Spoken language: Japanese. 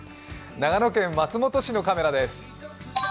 長野県松本市のカメラです。